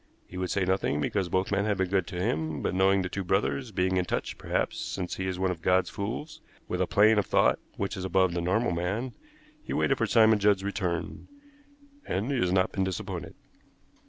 He would say nothing, because both men had been good to him; but knowing the two brothers, being in touch, perhaps, since he is one of God's fools, with a plane of thought which is above the normal man, he waited for Simon Judd's return, and he has not been disappointed."